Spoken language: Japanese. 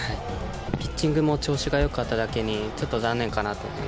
ピッチングも調子がよかっただけに、ちょっと残念かなと。